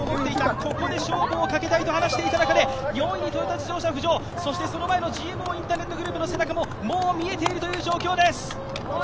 ここで勝負をかけたいと話していた中で４位、トヨタ自動車浮上、その前のＧＭＯインターネットグループの背中ももう見えているという状況です。